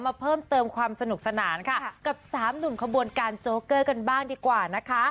มาเพิ่มเติมความสนุกสนานค่ะกับสามหนุ่มขบวนการโจ๊เกอร์กันบ้างดีกว่านะคะ